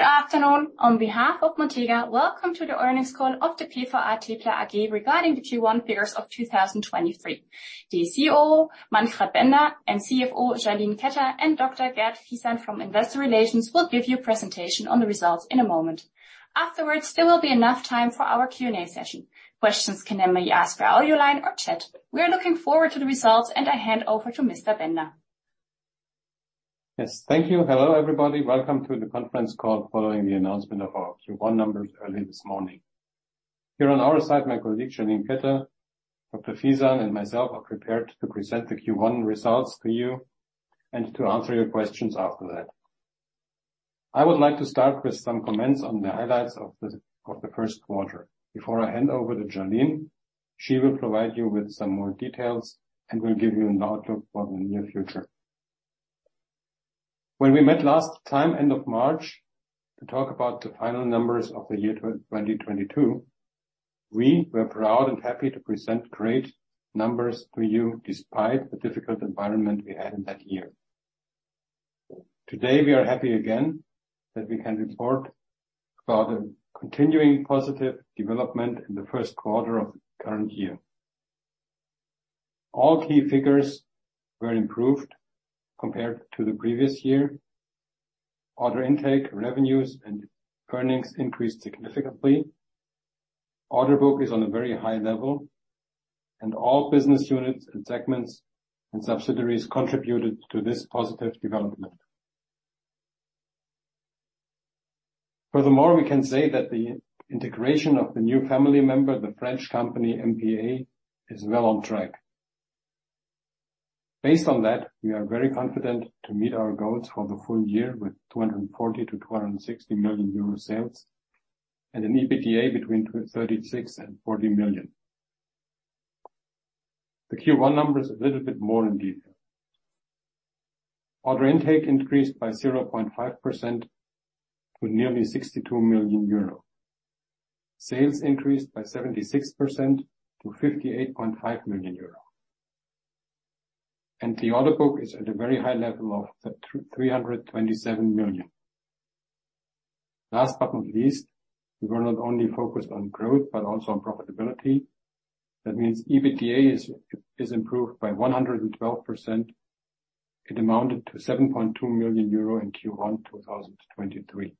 Good afternoon. On behalf of Montega, welcome to the earnings call of the PVA TePla AG regarding the Q1 figures of 2023. The COO, Manfred Bender, and CFO, Jalin Ketter, and Dr. Gert Fisahn from Investor Relations will give you a presentation on the results in a moment. Afterwards, there will be enough time for our Q&A session. Questions can then be asked via our line or chat. We are looking forward to the results, and I hand over to Mr. Bender. Yes, thank you. Hello, everybody. Welcome to the conference call following the announcement of our Q1 numbers early this morning. Here on our side, my colleague Jalin Ketter, Dr. Fisahn, and myself are prepared to present the Q1 results to you and to answer your questions after that. I would like to start with some comments on the highlights of the first quarter before I hand over to Jalin. She will provide you with some more details and will give you an outlook for the near future. When we met last time, end of March, to talk about the final numbers of the year 2022, we were proud and happy to present great numbers to you despite the difficult environment we had in that year. Today, we are happy again that we can report about a continuing positive development in the first quarter of the current year. All key figures were improved compared to the previous year. Order intake, revenues and earnings increased significantly. Order book is on a very high level. All business units and segments and subsidiaries contributed to this positive development. We can say that the integration of the new family member, the French company MPA, is well on track. Based on that, we are very confident to meet our goals for the full year with 240 million-260 million euro sales and an EBITDA between 36 million and 40 million. The Q1 number is a little bit more in detail. Order intake increased by 0.5% to nearly 62 million euro. Sales increased by 76% to 58.5 million euro. The order book is at a very high level of 327 million. Last but not least, we were not only focused on growth, but also on profitability. That means EBITDA is improved by 112%. It amounted to 7.2 million euro in Q1 2023.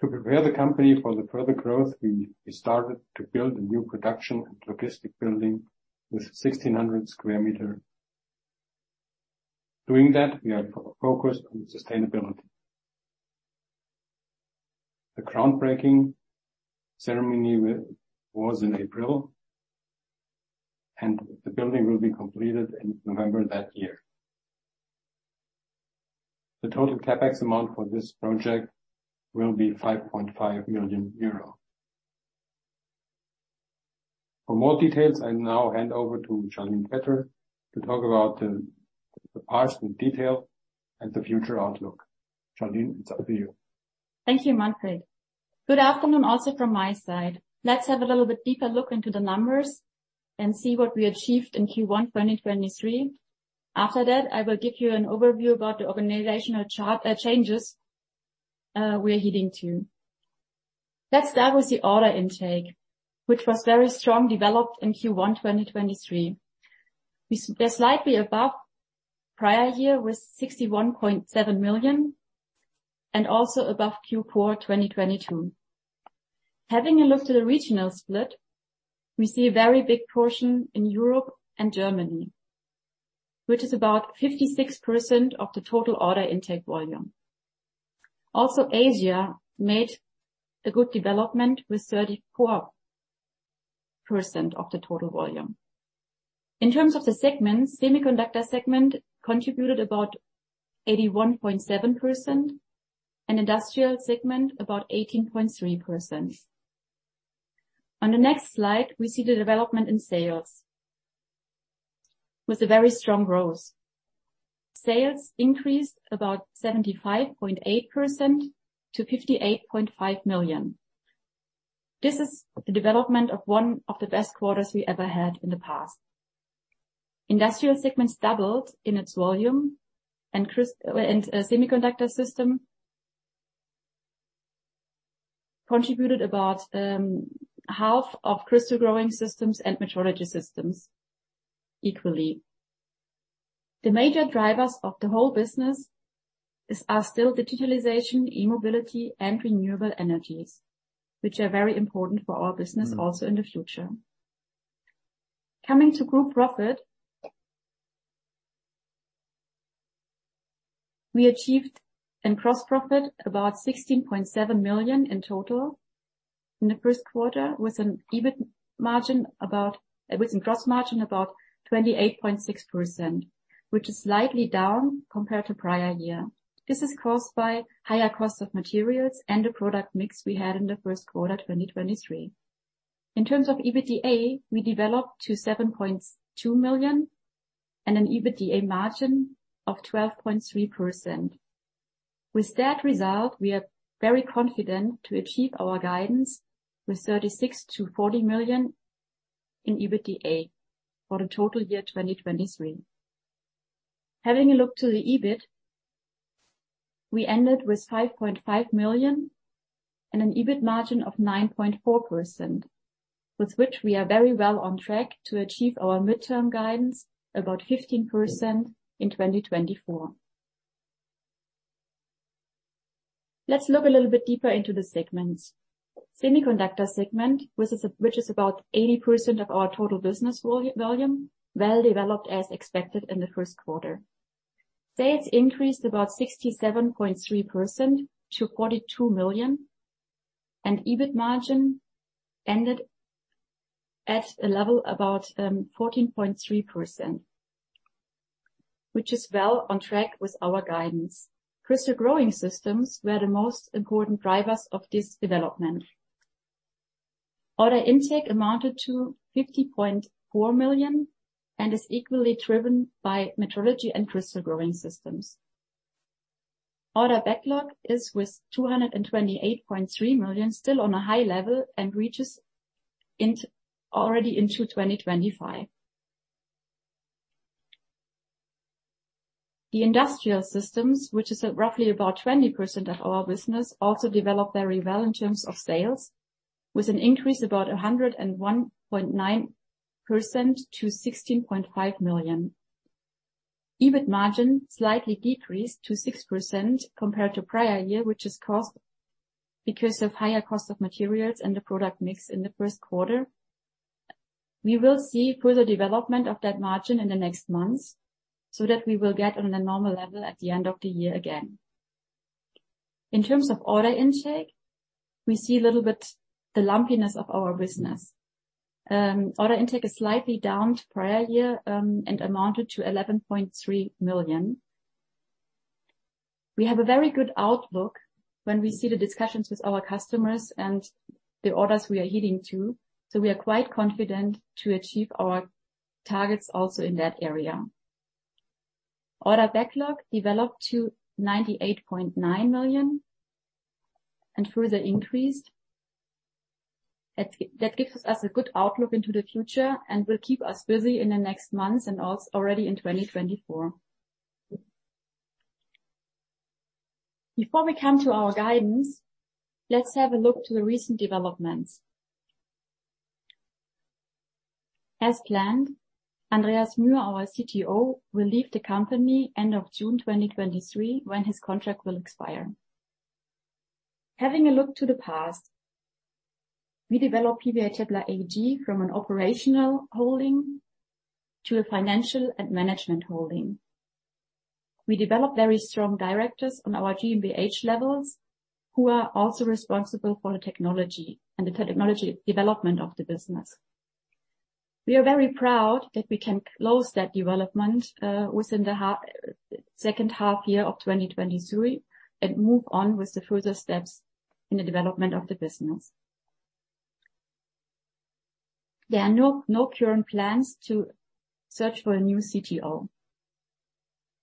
To prepare the company for the further growth, we started to build a new production and logistic building with 1,600 square meter. Doing that, we are focused on sustainability. The groundbreaking ceremony was in April, and the building will be completed in November that year. The total CapEx amount for this project will be 5.5 million euro. For more details, I now hand over to Jalin Ketter to talk about the past in detail and the future outlook. Jalin, it's up to you. Thank you, Manfred. Good afternoon also from my side. Let's have a little bit deeper look into the numbers and see what we achieved in Q1 2023. After that, I will give you an overview about the organizational changes we're heading to. Let's start with the order intake, which was very strong developed in Q1 2023. They're slightly above prior year with 61.7 million and also above Q4 2022. Having a look to the regional split, we see a very big portion in Europe and Germany, which is about 56% of the total order intake volume. Also, Asia made a good development with 34% of the total volume. In terms of the segments, Semiconductor segment contributed about 81.7% and Industrial segment about 18.3%. On the next slide, we see the development in sales with a very strong growth. Sales increased about 75.8% to 58.5 million. This is the development of one of the best quarters we ever had in the past. Industrial Systems segments doubled in its volume and Semiconductor Systems contributed about half of Crystal Growing Systems and Metrology Systems equally. The major drivers of the whole business are still digitalization, e-mobility and renewable energies, which are very important for our business also in the future. Coming to group profit, we achieved in gross profit about 16.7 million in total in the first quarter with some gross margin about 28.6%, which is slightly down compared to prior year. This is caused by higher cost of materials and the product mix we had in the first quarter, 2023. In terms of EBITDA, we developed to 7.2 million and an EBITDA margin of 12.3%. With that result, we are very confident to achieve our guidance with 36 million-40 million in EBITDA for the total year 2023. Having a look to the EBIT, we ended with 5.5 million and an EBIT margin of 9.4%, with which we are very well on track to achieve our midterm guidance, about 15% in 2024. Let's look a little bit deeper into the segments. Semiconductor Systems segment, which is about 80% of our total business volume, well developed as expected in the first quarter. Sales increased about 67.3% to 42 million, and EBIT margin ended at a level about 14.3%, which is well on track with our guidance. Crystal Growing Systems were the most important drivers of this development. Order intake amounted to 50.4 million and is equally driven by metrology and crystal growing systems. Order backlog is, with 228.3 million, still on a high level and reaches already into 2025. The Industrial Systems, which is roughly about 20% of our business, also developed very well in terms of sales, with an increase about 101.9% to 16.5 million. EBIT margin slightly decreased to 6% compared to prior year, which is because of higher cost of materials and the product mix in the first quarter. We will see further development of that margin in the next months so that we will get on a normal level at the end of the year again. In terms of order intake, we see a little bit the lumpiness of our business. Order intake is slightly down to prior year and amounted to 11.3 million. We have a very good outlook when we see the discussions with our customers and the orders we are heeding to. We are quite confident to achieve our targets also in that area. Order backlog developed to 98.9 million and further increased. That gives us a good outlook into the future and will keep us busy in the next months and already in 2024. Before we come to our guidance, let's have a look to the recent developments. As planned, Andreas Mühe, our CTO, will leave the company end of June 2023 when his contract will expire. Having a look to the past, we developed PVA TePla AG from an operational holding to a financial and management holding. We developed very strong directors on our GmbH levels who are also responsible for the technology and the technology development of the business. We are very proud that we can close that development within the second half year of 2023 and move on with the further steps in the development of the business. There are no current plans to search for a new CTO.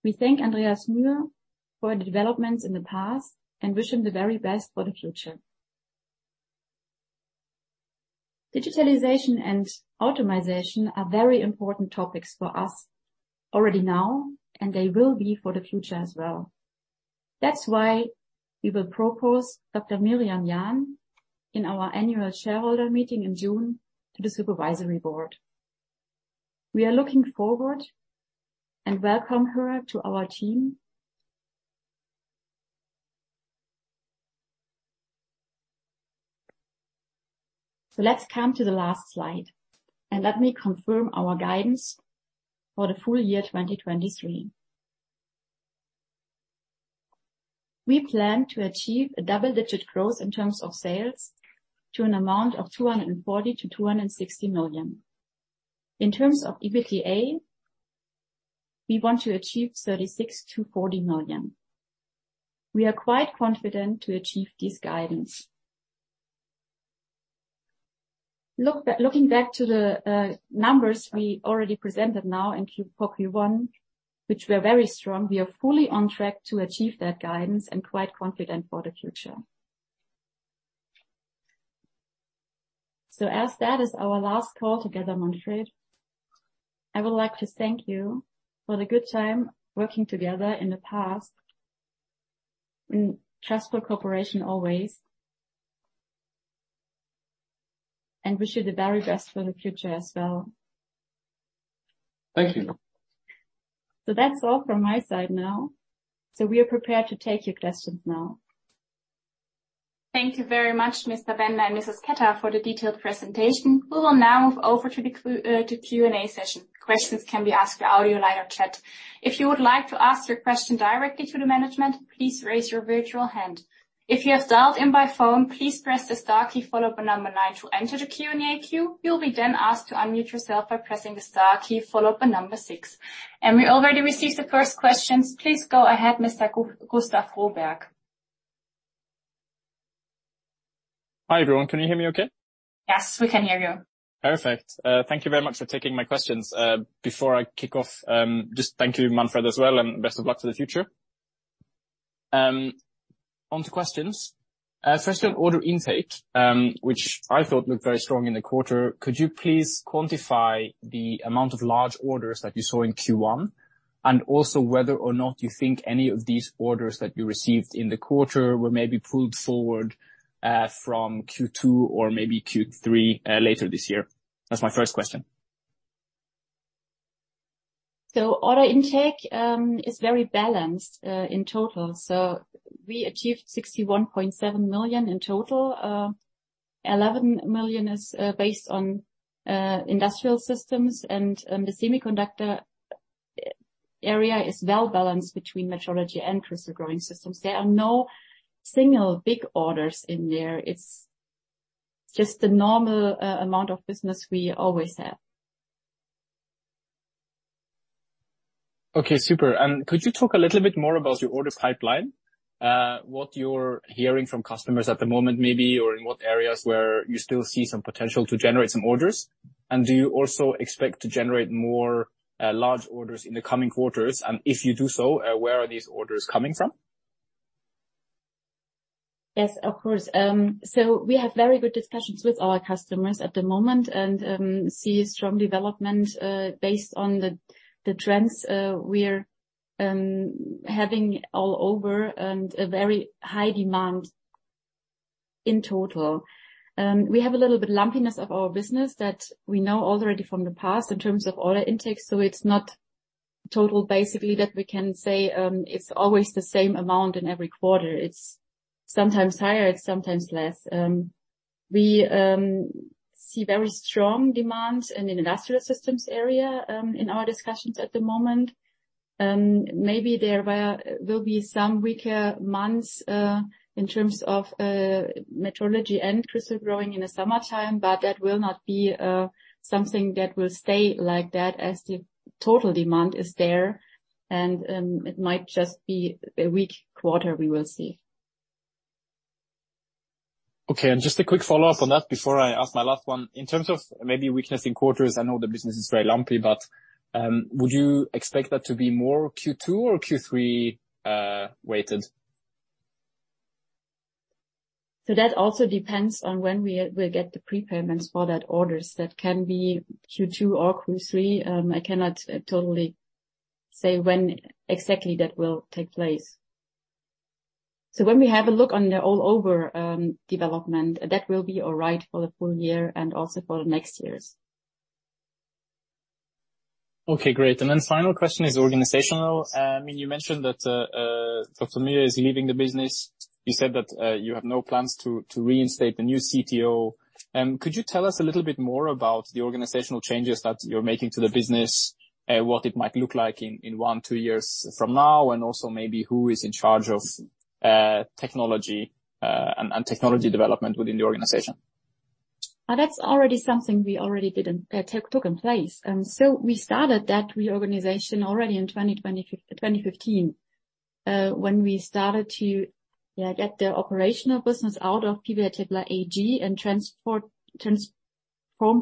We thank Andreas Mühe for the developments in the past and wish him the very best for the future. Digitalization and automation are very important topics for us already now, and they will be for the future as well. That's why we will propose Dr. Myriam Jahn in our annual shareholder meeting in June to the supervisory board. We are looking forward and welcome her to our team. Let's come to the last slide, and let me confirm our guidance for the full year 2023. We plan to achieve a double-digit growth in terms of sales to an amount of 240 million-260 million. In terms of EBITDA, we want to achieve 36 million-40 million. We are quite confident to achieve this guidance. Looking back to the numbers we already presented now in quarter one, which were very strong, we are fully on track to achieve that guidance and quite confident for the future. As that is our last call together, Manfred, I would like to thank you for the good time working together in the past, and trustful cooperation always, and wish you the very best for the future as well. Thank you. That's all from my side now. We are prepared to take your questions now. Thank you very much, Mr. Bender and Mrs. Ketter, for the detailed presentation. We will now move over to the Q&A session. Questions can be asked via audio, line, or chat. If you would like to ask your question directly to the management, please raise your virtual hand. If you have dialed in by phone, please press the star key followed by 9 to enter the Q&A queue. You'll be then asked to unmute yourself by pressing the star key followed by 6. We already received the first questions. Please go ahead, Mr. Gustav Froberg. Hi, everyone. Can you hear me okay? Yes, we can hear you. Perfect. Thank you very much for taking my questions. Before I kick off, just thank you, Manfred, as well, and best of luck to the future. Onto questions. First on order intake, which I thought looked very strong in the quarter, could you please quantify the amount of large orders that you saw in Q1, and also whether or not you think any of these orders that you received in the quarter were maybe pulled forward from Q2 or maybe Q3 later this year? That's my first question. Order intake is very balanced in total. We achieved 61.7 million in total. 11 million is based on Industrial Systems and the Semiconductor area is well balanced between Metrology and Crystal Growing Systems. There are no single big orders in there. It's just the normal amount of business we always have. Okay, super. Could you talk a little bit more about your order pipeline? What you're hearing from customers at the moment maybe, or in what areas where you still see some potential to generate some orders. Do you also expect to generate more large orders in the coming quarters? If you do so, where are these orders coming from? Yes, of course. We have very good discussions with our customers at the moment and see strong development based on the trends we're having all over and a very high demand in total. We have a little bit lumpiness of our business that we know already from the past in terms of order intake, it's not total basically that we can say, it's always the same amount in every quarter. It's sometimes higher, it's sometimes less. We see very strong demand in Industrial Systems area in our discussions at the moment. Maybe there will be some weaker months in terms of Metrology and Crystal Growing in the summertime, but that will not be something that will stay like that as the total demand is there. It might just be a weak quarter. We will see. Okay. Just a quick follow-up on that before I ask my last one. In terms of maybe weakness in quarters, I know the business is very lumpy, but, would you expect that to be more Q2 or Q3 weighted? That also depends on when we'll get the prepayments for that orders. That can be Q2 or Q3. I cannot totally say when exactly that will take place. When we have a look on the all over development, that will be all right for the full year and also for next year's. Okay, great. Then final question is organizational. I mean, you mentioned that Dr. Mühe is leaving the business. You said that you have no plans to reinstate the new CTO. Could you tell us a little bit more about the organizational changes that you're making to the business, what it might look like in one, two years from now, and also maybe who is in charge of technology and technology development within the organization? That's already something we already did in place. We started that reorganization already in 2015, when we started to get the operational business out of PVA TePla AG and transform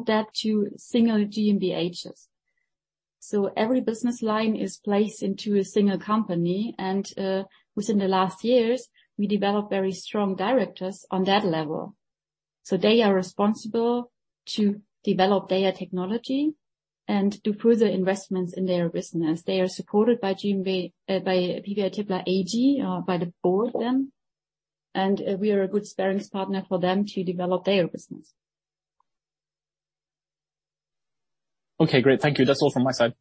that to single GmbHs. Every business line is placed into a single company, and within the last years, we developed very strong directors on that level. They are responsible to develop their technology and do further investments in their business. They are supported by PVA TePla AG, by the board then, and we are a good sparring partner for them to develop their business. Okay, great. Thank you. That's all from my side.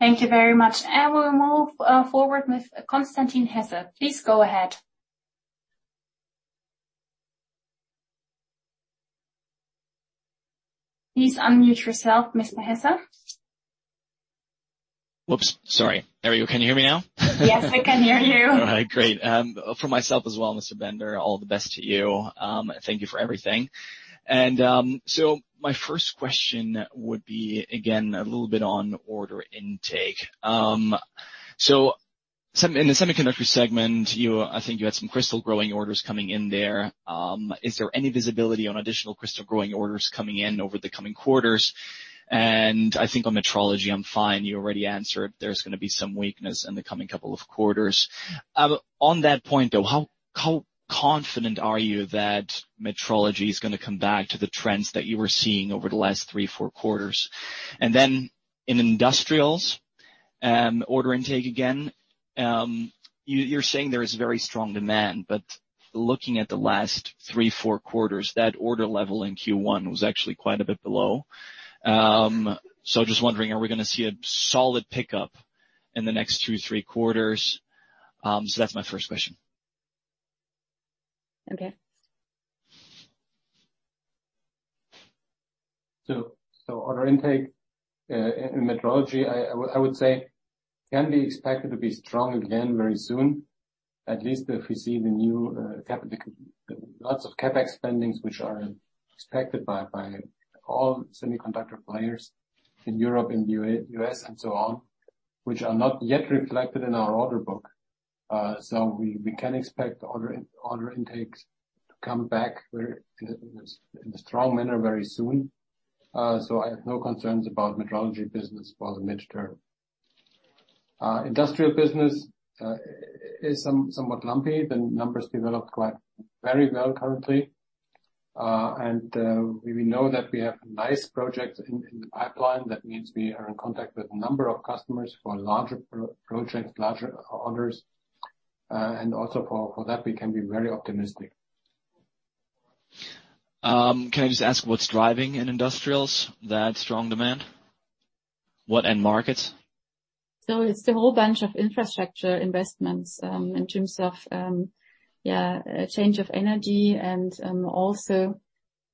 Thank you very much. We'll move forward with Constantin Hesse. Please go ahead. Please unmute yourself, Mr. Hesse. Whoops. Sorry. There we go. Can you hear me now? Yes, I can hear you. All right, great. From myself as well, Mr. Bender, all the best to you. Thank you for everything. My first question would be, again, a little bit on order intake. In the Semiconductor Segment, I think you had some crystal growing orders coming in there. Is there any visibility on additional crystal growing orders coming in over the coming quarters? I think on metrology, I'm fine. You already answered there's gonna be some weakness in the coming couple of quarters. On that point, though, how confident are you that metrology is gonna come back to the trends that you were seeing over the last 3, 4 quarters? In industrials, order intake again, you're saying there is very strong demand, but looking at the last three, four quarters, that order level in Q1 was actually quite a bit below. Just wondering, are we gonna see a solid pickup in the next two, three quarters? That's my first question. Okay. Order intake, in metrology, I would say can be expected to be strong again very soon, at least if you see the new lots of CapEx spendings which are expected by all semiconductor players in Europe and U.S. and so on. Which are not yet reflected in our order book. We can expect order intakes to come back very, in a strong manner very soon. Industrial business is somewhat lumpy. The numbers developed quite very well currently. We know that we have nice projects in the pipeline. That means we are in contact with a number of customers for larger projects, larger orders. Also for that we can be very optimistic. Can I just ask what's driving in Industrials that strong demand? What end markets? It's a whole bunch of infrastructure investments, in terms of a change of energy and also,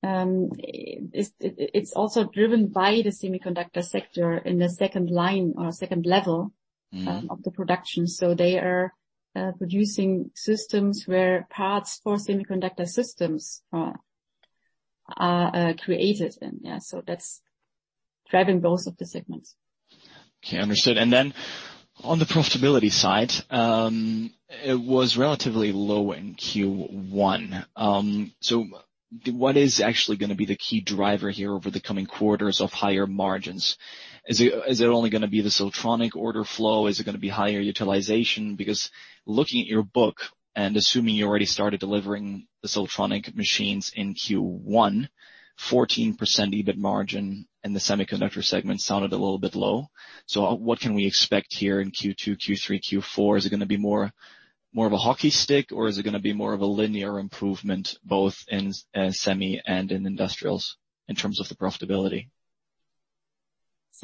it's also driven by the semiconductor sector in the second line or second level. Mm. of the production. They are producing systems where parts for Semiconductor Systems are created. That's driving both of the segments. Okay, understood. On the profitability side, it was relatively low in Q one. What is actually gonna be the key driver here over the coming quarters of higher margins? Is it only gonna be the Siltronic order flow? Is it gonna be higher utilization? Because looking at your book and assuming you already started delivering the Siltronic machines in Q one, 14% EBIT margin in the Semiconductor segment sounded a little bit low. What can we expect here in Q two, Q three, Q four? Is it gonna be more of a hockey stick or is it gonna be more of a linear improvement both in semi and in industrials in terms of the profitability?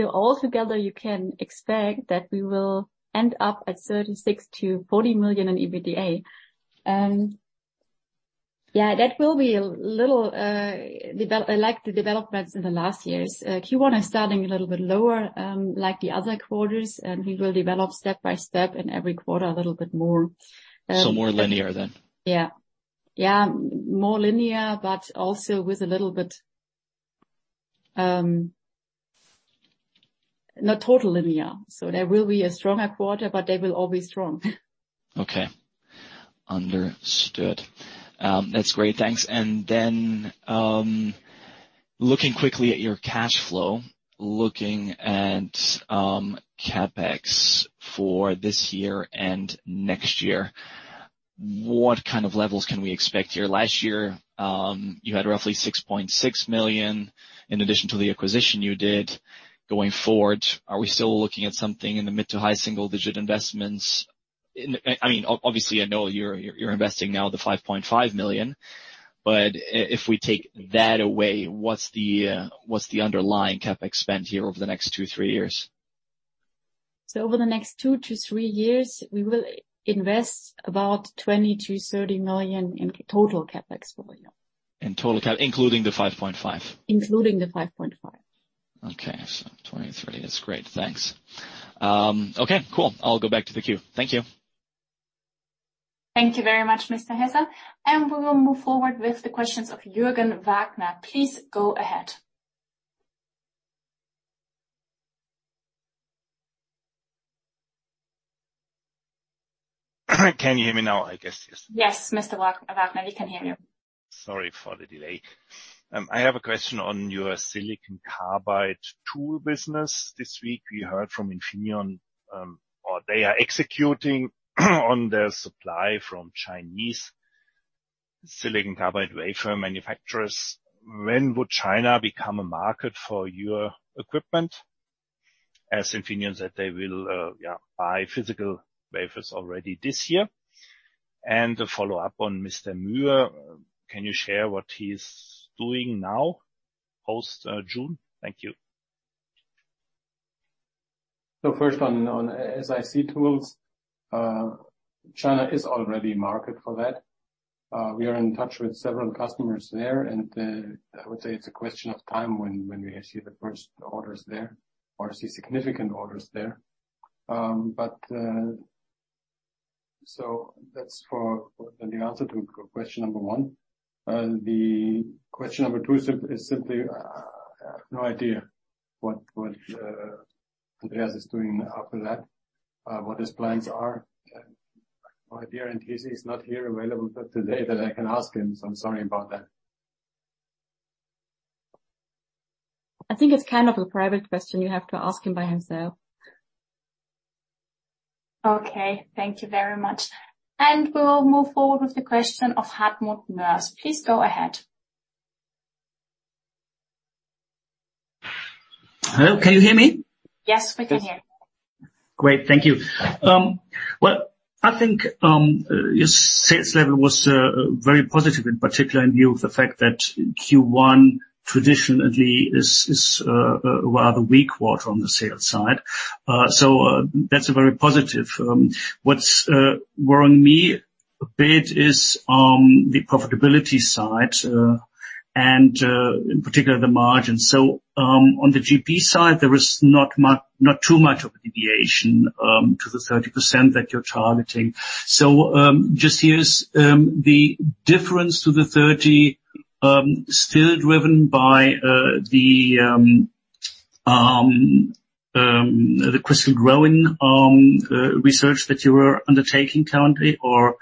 All together you can expect that we will end up at 36 million-40 million in EBITDA. Yeah, that will be a little like the developments in the last years. Q1 is starting a little bit lower, like the other quarters, and we will develop step by step in every quarter a little bit more. More linear then? Yeah, more linear, but also with a little bit. Not total linear. There will be a stronger quarter, but they will all be strong. Okay. Understood. That's great. Thanks. Looking quickly at your cash flow, looking at CapEx for this year and next year, what kind of levels can we expect here? Last year, you had roughly 6.6 million in addition to the acquisition you did. Going forward, are we still looking at something in the mid to high single digit investments? I mean obviously I know you're investing now the 5.5 million, but if we take that away, what's the underlying CapEx spend here over the next two, three years? Over the next two to three years we will invest about 20 million-30 million in total CapEx volume. In total cap including the 5.5? Including the 5.5. Okay. 20, 30. That's great. Thanks. Okay, cool. I'll go back to the queue. Thank you. Thank you very much, Mr. Hesse. We will move forward with the questions of Jürgen Wagner. Please go ahead. Can you hear me now? I guess yes. Yes, Mr. Wagner, we can hear you. Sorry for the delay. I have a question on your silicon carbide tool business. This week we heard from Infineon, or they are executing on their supply from Chinese silicon carbide wafer manufacturers. When would China become a market for your equipment, as Infineon said they will, yeah, buy physical wafers already this year? A follow-up on Mr. Mühe, can you share what he's doing now post, June? Thank you. First on SiC tools, China is already market for that. We are in touch with several customers there, and I would say it's a question of time when we see the first orders there or see significant orders there. But that's for the answer to question number one. The question number two is simply no idea what Andreas is doing after that, what his plans are. No idea, and he's not here available for today that I can ask him, so I'm sorry about that. I think it's kind of a private question you have to ask him by himself. Okay. Thank you very much. We will move forward with the question of Hartmut Moers. Please go ahead. Hello, can you hear me? Yes, we can hear you. Great, thank you. Well, I think, your sales level was very positive in particular in view of the fact that Q1 traditionally is rather weak quarter on the sales side. That's very positive. What's worrying me a bit is the profitability side, and in particular the margins. On the GP side, there is not too much of a deviation, to the 30% that you're targeting. Just here's the difference to the 30. Still driven by the crystal growing research that you were undertaking currently, or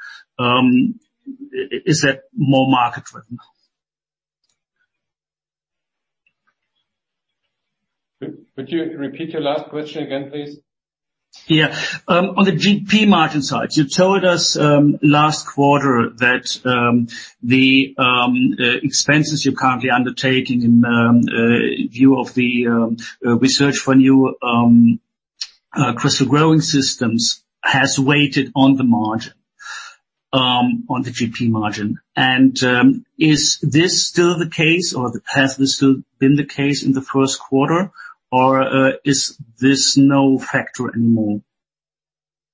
is that more market-driven? Could you repeat your last question again, please? Yeah. On the GP margin side, you told us last quarter that the expenses you're currently undertaking in view of the research for new Crystal Growing Systems has waited on the margin, on the GP margin. Is this still the case, or has this still been the case in the first quarter, or is this no factor anymore?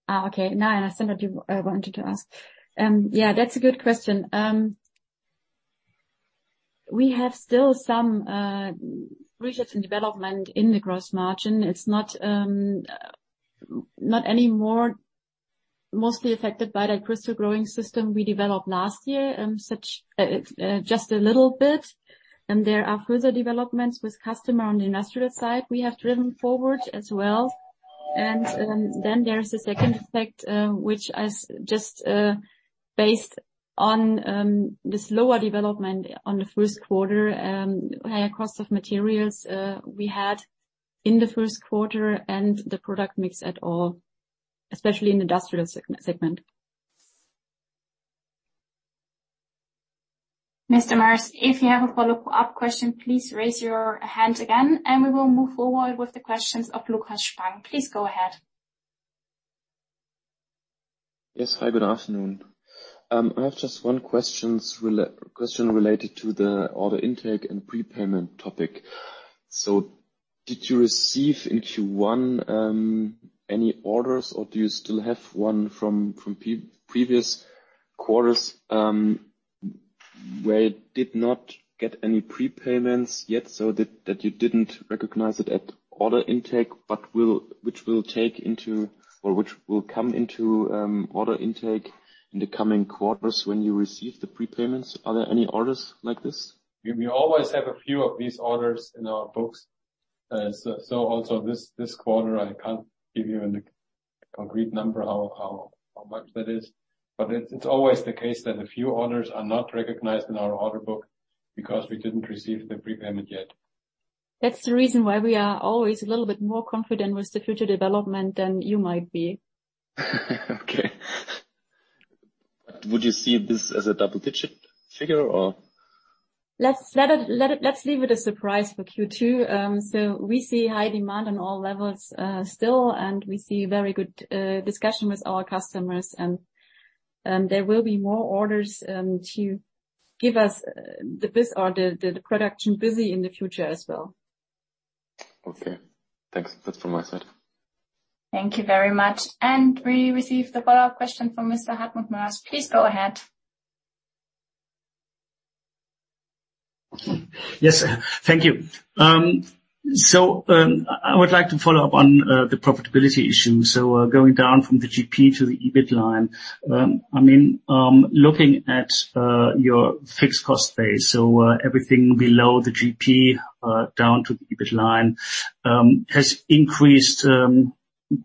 Oh, okay. Now I understand what you wanted to ask. Yeah, that's a good question. We have still some research and development in the gross margin. It's not not anymore mostly affected by that Crystal Growing System we developed last year, just a little bit, and there are further developments with customer on the industrial side we have driven forward as well. There's the second effect, which is just based on this lower development on the first quarter, higher cost of materials we had in the first quarter and the product mix at all, especially in the Industrial Systems segment. Mr. Moers, if you have a follow-up question, please raise your hand again, and we will move forward with the questions of Lucas Spang. Please go ahead. Yes. Hi, good afternoon. I have just one question related to the order intake and prepayment topic. Did you receive into one any orders, or do you still have one from previous quarters where you did not get any prepayments yet, so that you didn't recognize it at order intake, but which will come into order intake in the coming quarters when you receive the prepayments? Are there any orders like this? We always have a few of these orders in our books. This quarter, I can't give you a concrete number how much that is. It's always the case that a few orders are not recognized in our order book because we didn't receive the prepayment yet. That's the reason why we are always a little bit more confident with the future development than you might be. Okay. Would you see this as a double digit figure or? Let's leave it a surprise for Q2. We see high demand on all levels still, and we see very good discussion with our customers. There will be more orders to give us or the production busy in the future as well. Okay. Thanks. That's from my side. Thank you very much. We receive the follow-up question from Mr. Hartmut Moers. Please go ahead. Yes, thank you. I would like to follow up on the profitability issue, going down from the GP to the EBIT line. I mean, looking at your fixed cost base, everything below the GP down to the EBIT line has increased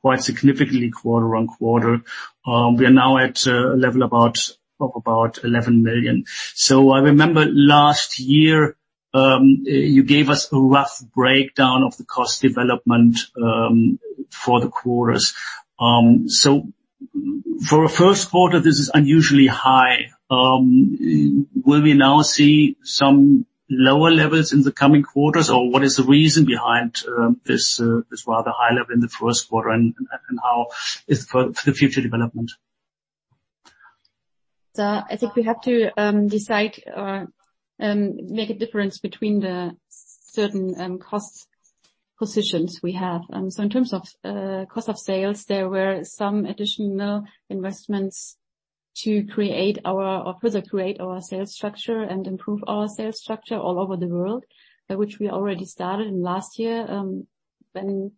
quite significantly quarter-on-quarter. We are now at a level of about 11 million. I remember last year, you gave us a rough breakdown of the cost development for the quarters. For a first quarter, this is unusually high. Will we now see some lower levels in the coming quarters, or what is the reason behind this rather high level in the first quarter and how is for the future development? I think we have to decide or make a difference between the certain cost positions we have. In terms of cost of sales, there were some additional investments to further create our sales structure and improve our sales structure all over the world, which we already started in last year, when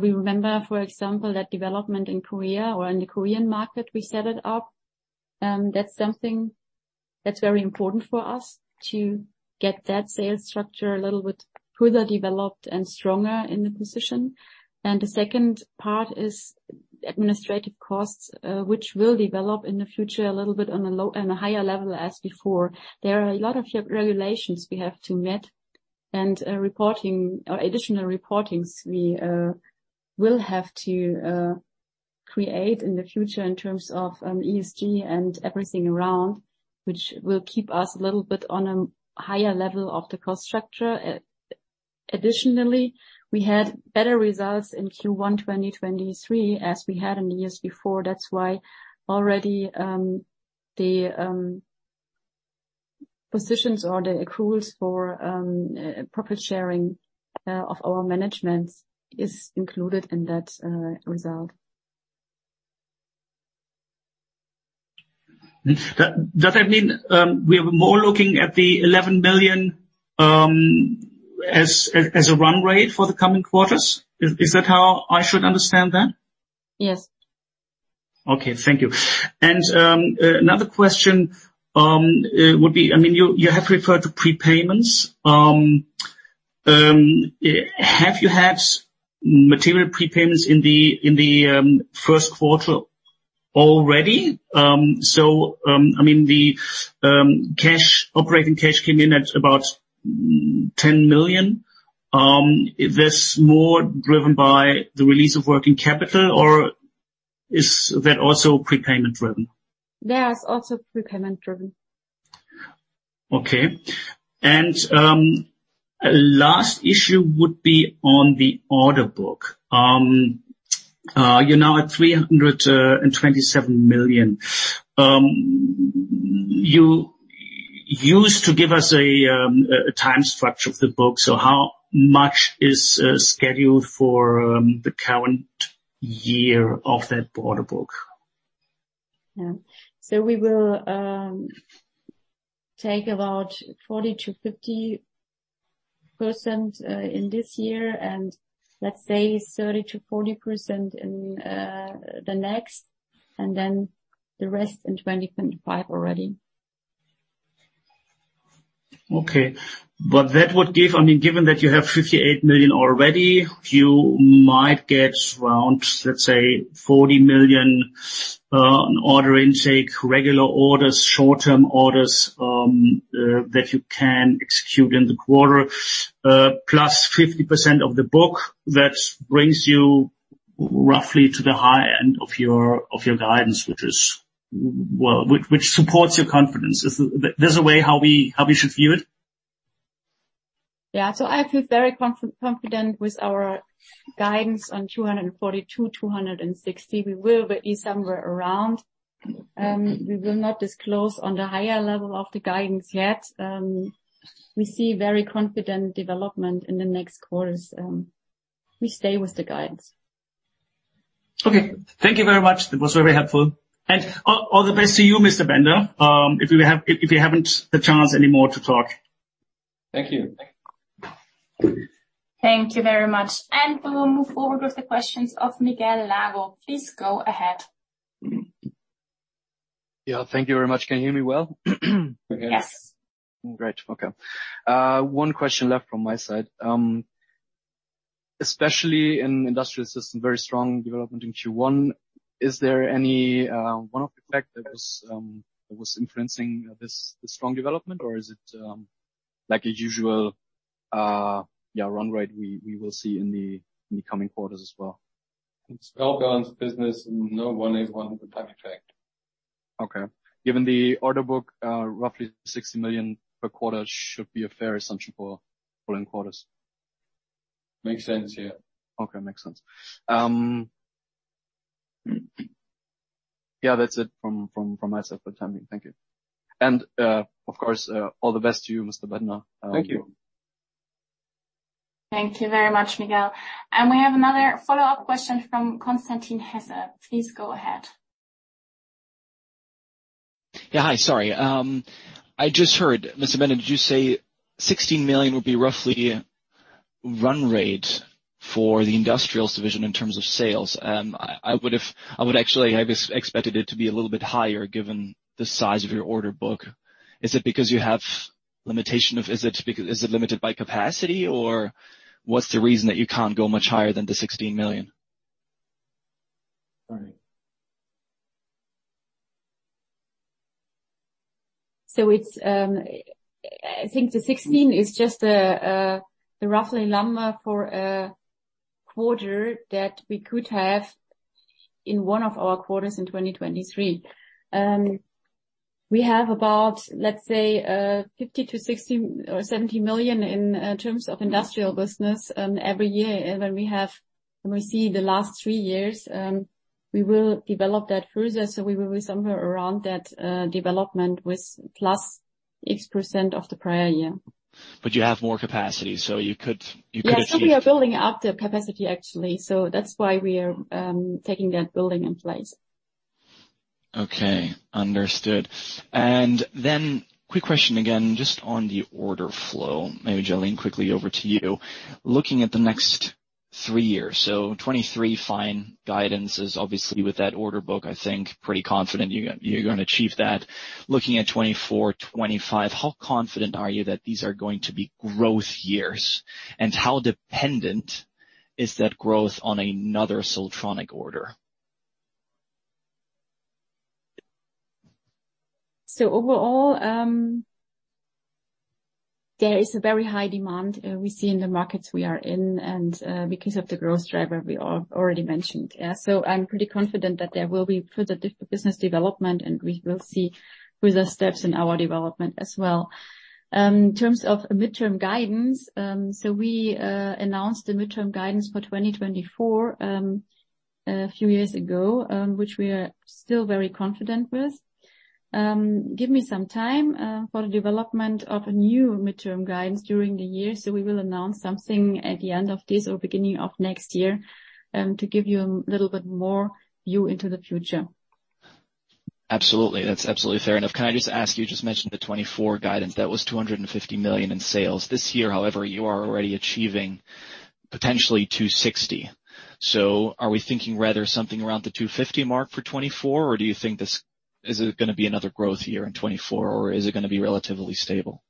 we remember, for example, that development in Korea or in the Korean market we set it up. That's something that's very important for us to get that sales structure a little bit further developed and stronger in the position. The second part is administrative costs, which will develop in the future a little bit on a higher level as before. There are a lot of re-regulations we have to meet and reporting, additional reportings we will have to create in the future in terms of ESG and everything around, which will keep us a little bit on a higher level of the cost structure. Additionally, we had better results in Q1 2023 as we had in the years before. That's why already the positions or the accruals for profit sharing of our management is included in that result. Does that mean, we are more looking at the 11 million, as a run rate for the coming quarters? Is that how I should understand that? Yes. Okay, thank you. Another question, would be, I mean, you have referred to prepayments. Have you had material prepayments in the first quarter already? I mean, the cash, operating cash came in at about 10 million. Is this more driven by the release of working capital, or is that also prepayment driven? That's also prepayment driven. Okay. Last issue would be on the order book. You're now at 327 million. You used to give us a time structure of the book. How much is scheduled for the current year of that order book? Yeah. We will take about 40%-50% in this year, and let's say 30%-40% in the next, and then the rest in 2025 already. Okay. That would give I mean, given that you have 58 million already, you might get around, let's say, 40 million order intake, regular orders, short-term orders, that you can execute in the quarter, plus 50% of the book. That brings you roughly to the high end of your, of your guidance, which is, well, which supports your confidence. There's a way how we should view it? Yeah. I feel very confident with our guidance on 242 million-260 million. We will be somewhere around. We will not disclose on the higher level of the guidance yet. We see very confident development in the next quarters. We stay with the guidance. Okay. Thank you very much. That was very helpful. All the best to you, Mr. Bender, if you haven't the chance anymore to talk. Thank you. Thank you very much. We will move forward with the questions of Miguel Lago. Please go ahead. Yeah, thank you very much. Can you hear me well? Yes. Great. Okay. One question left from my side. Especially in Industrial Systems, very strong development in Q1. Is there any one of the factors that was influencing this strong development, or is it like a usual run rate we will see in the coming quarters as well? It's well-balanced business. No one is 100% effect. Okay. Given the order book, roughly 60 million per quarter should be a fair assumption for following quarters. Makes sense, yeah. Okay. Makes sense. Yeah, that's it from myself for the time being. Thank you. Of course, all the best to you, Mr. Bender. Thank you. Thank you very much, Miguel. We have another follow-up question from Constantin Hesse. Please go ahead. Yeah. Hi. Sorry. I just heard, Mr. Bender, did you say 16 million would be roughly run rate for the industrials division in terms of sales? I would actually have expected it to be a little bit higher given the size of your order book. Is it limited by capacity, or what's the reason that you can't go much higher than the 16 million? Sorry. It's I think the 16 is just the roughly number for a quarter that we could have in one of our quarters in 2023. We have about, let's say, 50 million to 60 million or 70 million in terms of industrial business, every year. When we see the last 3 years, we will develop that further, so we will be somewhere around that development with +X% of the prior year. You have more capacity, so you could. Yeah. We are building up the capacity actually, so that's why we are taking that building in place. Okay. Understood. Quick question again, just on the order flow. Maybe Jalin, quickly over to you. Looking at the next 3 years, so 2023, fine. Guidance is obviously with that order book, I think pretty confident you're gonna achieve that. Looking at 2024, 2025, how confident are you that these are going to be growth years? How dependent is that growth on another Siltronic order? Overall, there is a very high demand we see in the markets we are in and because of the growth driver we already mentioned. Yeah. I'm pretty confident that there will be further business development, and we will see further steps in our development as well. In terms of midterm guidance, we announced the midterm guidance for 2024 a few years ago, which we are still very confident with. Give me some time for the development of a new midterm guidance during the year, we will announce something at the end of this or beginning of next year to give you a little bit more view into the future. Absolutely. That's absolutely fair enough. Can I just ask, you just mentioned the 2024 guidance. That was 250 million in sales. This year, however, you are already achieving potentially 260. Are we thinking rather something around the 250 mark for 2024, or do you think is it gonna be another growth year in 2024, or is it gonna be relatively stable?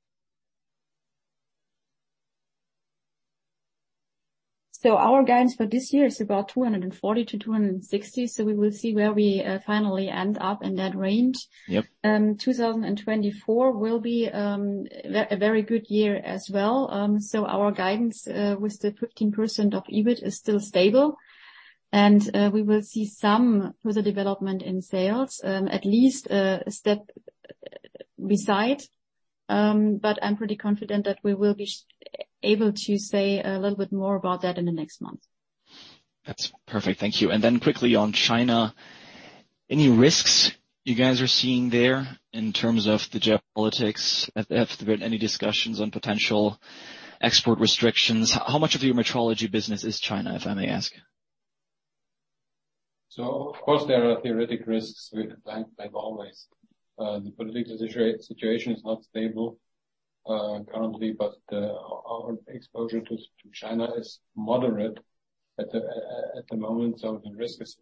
Our guidance for this year is about 240-260, so we will see where we finally end up in that range. Yep. 2024 will be a very good year as well. Our guidance with the 15% of EBIT is still stable, and we will see some further development in sales, at least a step beside. I'm pretty confident that we will be able to say a little bit more about that in the next month. That's perfect. Thank you. Then quickly on China, any risks you guys are seeing there in terms of the geopolitics? Have there been any discussions on potential export restrictions? How much of your metrology business is China, if I may ask? Of course there are theoretic risks with China like always. The political situation is not stable, currently, but our exposure to China is moderate at the moment, so the risk is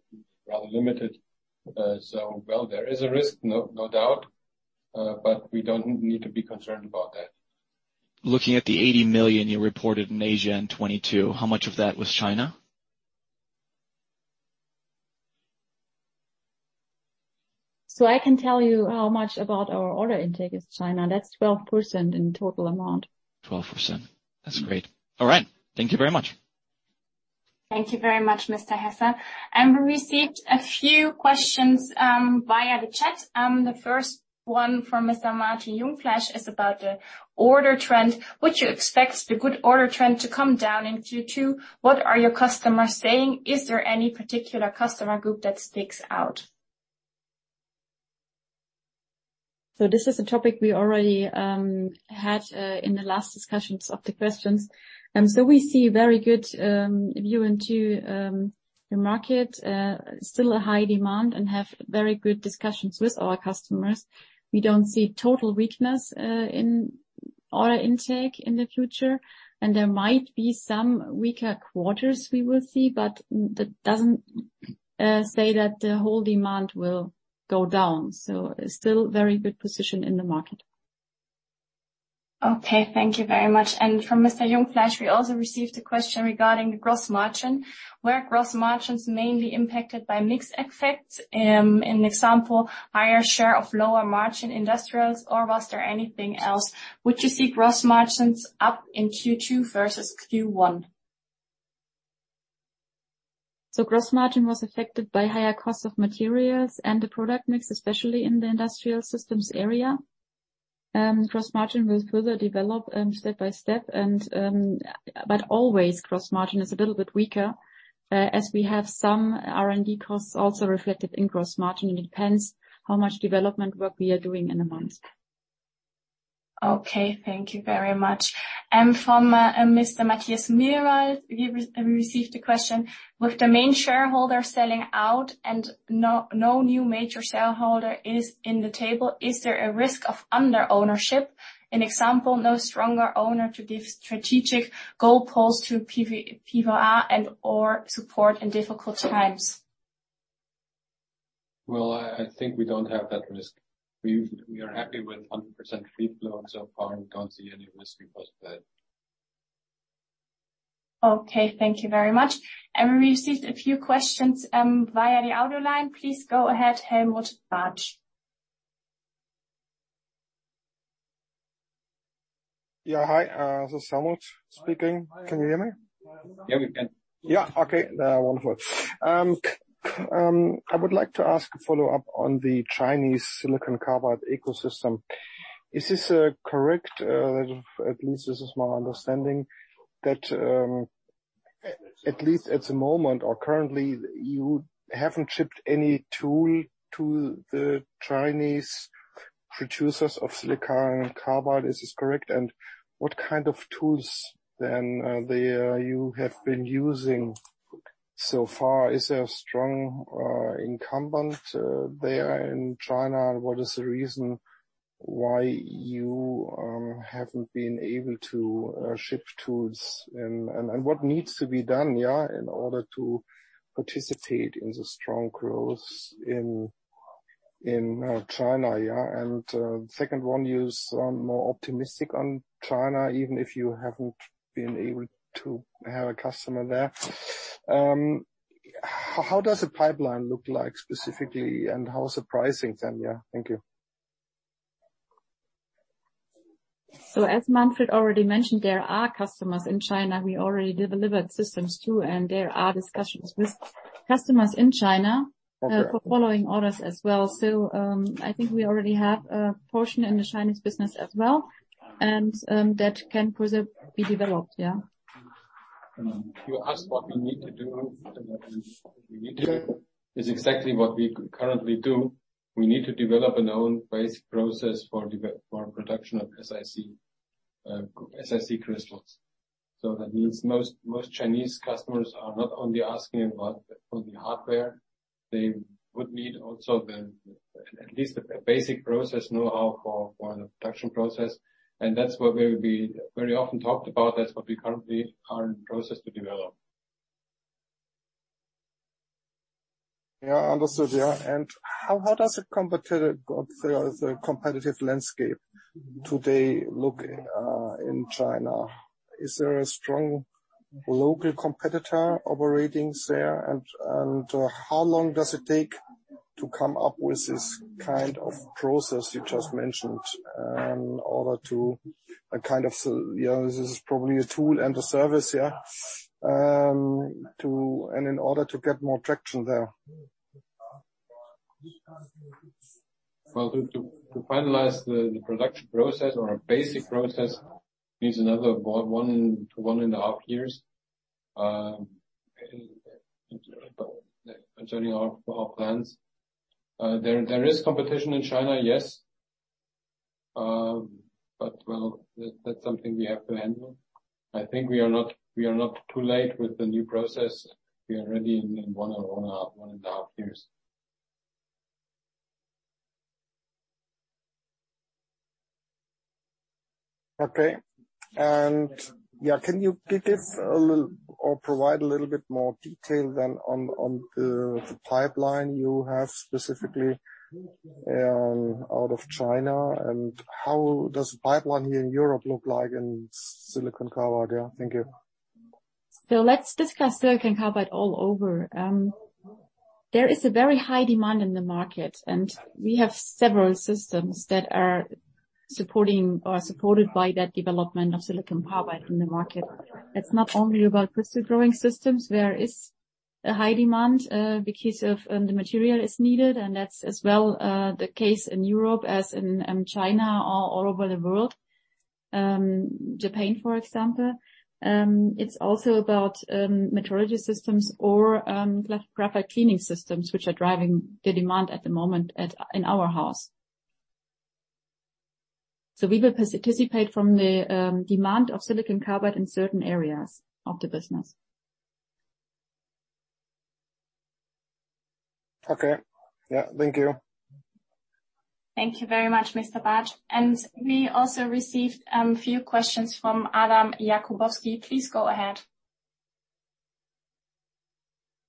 rather limited. Well, there is a risk, no doubt, but we don't need to be concerned about that. Looking at the 80 million you reported in Asia in 2022, how much of that was China? I can tell you how much about our order intake is China. That's 12% in total amount. 12%. That's great. All right. Thank you very much. Thank you very much, Mr. Hesse. We received a few questions, via the chat. The first one from Mr. Martin Jungfleisch is about the order trend. Would you expect the good order trend to come down in Q2? What are your customers saying? Is there any particular customer group that sticks out? This is a topic we already had in the last discussions of the questions. We see very good view into the market, still a high demand and have very good discussions with our customers. We don't see total weakness in order intake in the future, and there might be some weaker quarters we will see, but that doesn't say that the whole demand will go down. Still very good position in the market. Okay. Thank you very much. From Mr. Jungfleisch, we also received a question regarding the gross margin. Were gross margins mainly impacted by mix effects, in example, higher share of lower margin industrials, or was there anything else? Would you see gross margins up in Q2 versus Q1? Gross margin was affected by higher cost of materials and the product mix, especially in the Industrial Systems area. Gross margin will further develop, step by step and, but always gross margin is a little bit weaker, as we have some R&D costs also reflected in gross margin. It depends how much development work we are doing in the months. Okay, thank you very much. From Mr. Matthias Mierwald, we received a question. With the main shareholder selling out and no new major shareholder is in the table, is there a risk of under ownership? An example, no stronger owner to give strategic goalposts to PVA and or support in difficult times. Well, I think we don't have that risk. We are happy with 100% free float so far and don't see any risk because of that. Okay, thank you very much. We received a few questions via the auto line. Please go ahead, Helmut Bartsch. Yeah, hi. This is Helmut speaking. Can you hear me? Yeah, we can. Yeah. Okay. Wonderful. I would like to ask a follow-up on the Chinese silicon carbide ecosystem. Is this correct, at least this is my understanding, that at least at the moment or currently, you haven't shipped any tool to the Chinese producers of silicon carbide? Is this correct? What kind of tools then they you have been using so far? Is there a strong incumbent there in China? What is the reason why you haven't been able to ship tools and what needs to be done, yeah, in order to participate in the strong growth in China, yeah? Second one, you sound more optimistic on China, even if you haven't been able to have a customer there. How does the pipeline look like specifically, and how is the pricing then, yeah? Thank you. As Manfred already mentioned, there are customers in China we already delivered systems to, and there are discussions with customers in China. Okay. For following orders as well. I think we already have a portion in the Chinese business as well, that can further be developed, yeah. You asked what we need to do. What we need to do is exactly what we currently do. We need to develop an own base process for production of SiC. SiC crystals. That means most Chinese customers are not only asking about for the hardware, they would need also the, at least the basic process know-how for the production process. That's what we will be very often talked about. That's what we currently are in process to develop. Understood. How does the competitive landscape today look in China? Is there a strong local competitor operating there? How long does it take to come up with this kind of process you just mentioned, in order to kind of, you know, this is probably a tool and a service, yeah, in order to get more traction there? Well, to finalize the production process or a basic process needs another about 1 to 1 and a half years, according our plans. There is competition in China, yes. Well, that's something we have to handle. I think we are not too late with the new process. We are ready in 1 or 1 and a half years. Okay. yeah, can you provide a little bit more detail than on the pipeline you have specifically out of China? How does the pipeline here in Europe look like in silicon carbide? Yeah. Thank you. Let's discuss silicon carbide all over. There is a very high demand in the market, and we have several systems that are supporting or are supported by that development of silicon carbide in the market. It's not only about Crystal Growing Systems. There is a high demand because of the material is needed, and that's as well the case in Europe as in China or all over the world, Japan, for example. It's also about metrology systems or graphite cleaning systems, which are driving the demand at the moment in our house. We will participate from the demand of silicon carbide in certain areas of the business. Okay. Yeah. Thank you. Thank you very much, Mr. Brach. We also received few questions from Adam Jakubowski. Please go ahead.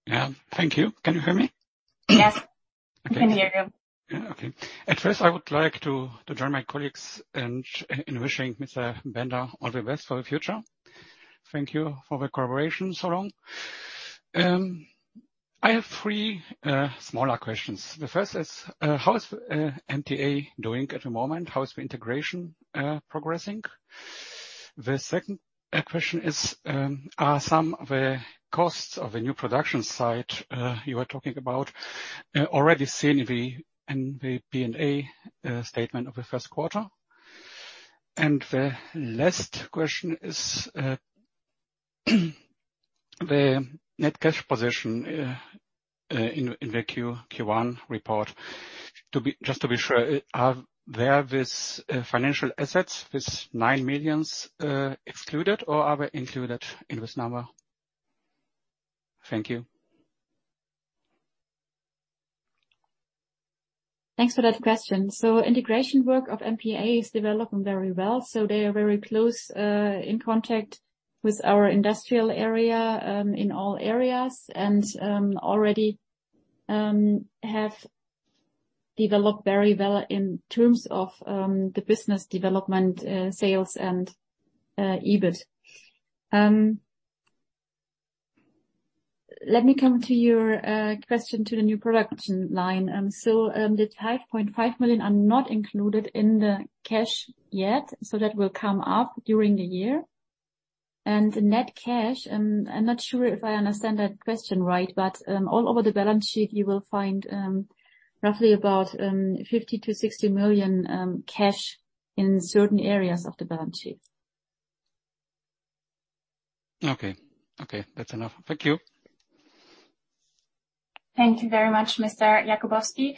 Yeah. Thank you. Can you hear me? Yes. Okay. We can hear you. Okay. At first, I would like to join my colleagues in wishing Mr. Bender all the best for the future. Thank you for the cooperation so long. I have three smaller questions. The first is, how is MPA doing at the moment? How is the integration progressing? The second question is, are some of the costs of the new production site you were talking about already seen in the P&L statement of the first quarter? The last question is, the net cash position in the Q1 report. Just to be sure, are there financial assets, this 9 million, excluded or are they included in this number? Thank you. Thanks for that question. Integration work of MPA is developing very well, so they are very close in contact with our industrial area in all areas and already have developed very well in terms of the business development, sales and EBIT. Let me come to your question to the new production line. The 5.5 million are not included in the cash yet, so that will come up during the year. The net cash, I'm not sure if I understand that question right, but all over the balance sheet, you will find roughly about 50 million-60 million cash in certain areas of the balance sheet. Okay. Okay. That's enough. Thank you. Thank you very much, Mr. Jakubowski.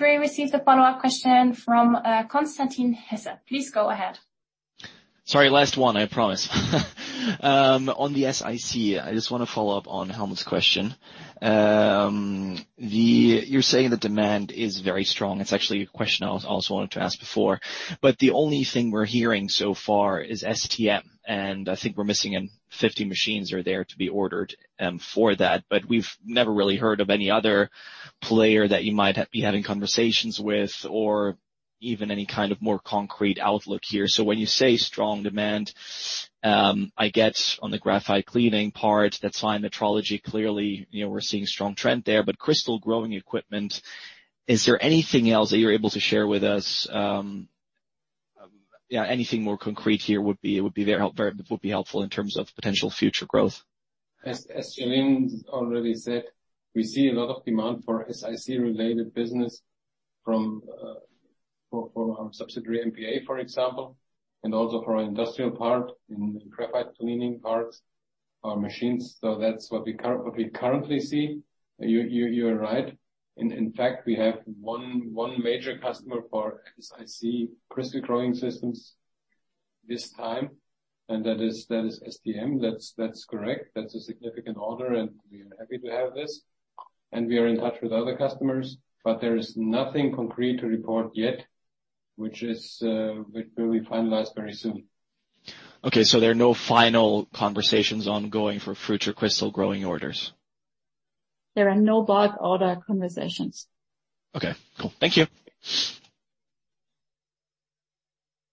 We received a follow-up question from Constantin Hesse. Please go ahead. Sorry, last one, I promise. On the SiC, I just wanna follow up on Helmut's question. You're saying the demand is very strong. It's actually a question I also wanted to ask before. The only thing we're hearing so far is STM, and I think we're missing in 50 machines are there to be ordered for that. We've never really heard of any other player that you might be having conversations with or even any kind of more concrete outlook here. When you say strong demand, I get on the graphite cleaning part, that's fine. Metrology, clearly, you know, we're seeing strong trend there. Crystal growing equipment, is there anything else that you're able to share with us? Yeah, anything more concrete here would be very helpful in terms of potential future growth. As Jalin already said, we see a lot of demand for SiC related business for our subsidiary MPA, for example, and also for our industrial part in graphite cleaning parts. Our machines, so that's what we currently see. You're right. In fact, we have one major customer for SiC crystal growing systems this time, and that is STMicroelectronics. That's correct. That's a significant order, and we are happy to have this. We are in touch with other customers, but there is nothing concrete to report yet, which is which will be finalized very soon. Okay, there are no final conversations ongoing for future crystal growing orders? There are no bulk order conversations. Okay, cool. Thank you.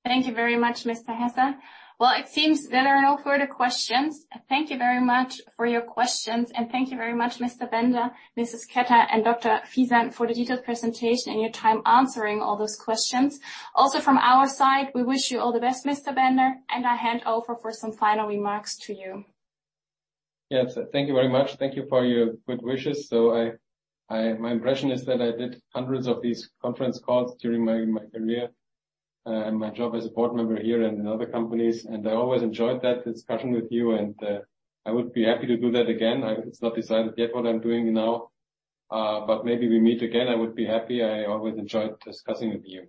Thank you very much, Mr. Hesse. Well, it seems there are no further questions. Thank you very much for your questions. Thank you very much, Mr. Bender, Mrs. Ketter, and Dr. Fisan, for the detailed presentation and your time answering all those questions. Also from our side, we wish you all the best, Mr. Bender, and I hand over for some final remarks to you. Yes. Thank you very much. Thank you for your good wishes. My impression is that I did hundreds of these conference calls during my career, my job as a board member here and in other companies. I always enjoyed that discussion with you and I would be happy to do that again. It's not decided yet what I'm doing now, but maybe we meet again. I would be happy. I always enjoyed discussing with you.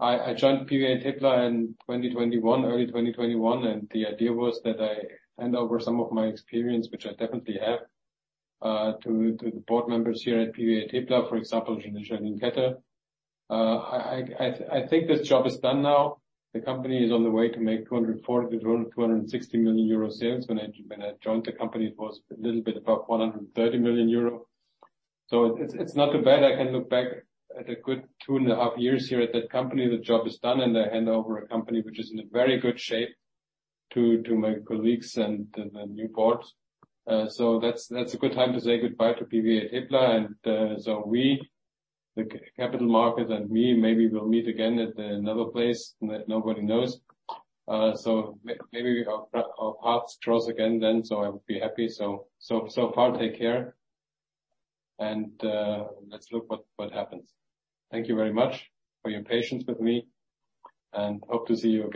I joined PVA TePla in 2021, early 2021, and the idea was that I hand over some of my experience, which I definitely have, to the board members here at PVA TePla, for example, Jalin Ketter. I think this job is done now. The company is on the way to make 240 million-260 million euro sales. When I joined the company, it was a little bit above 130 million euro. It's not too bad. I can look back at a good two and a half years here at that company. The job is done. I hand over a company which is in a very good shape to my colleagues and the new board. That's a good time to say goodbye to PVA TePla. We, the capital market and me, maybe we'll meet again at another place that nobody knows. Maybe our paths cross again then, I would be happy. So far, take care. Let's look what happens. Thank you very much for your patience with me, and hope to see you again.